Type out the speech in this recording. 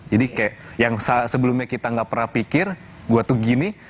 jadi kayak yang sebelumnya kita gak pernah pikir gue tuh gini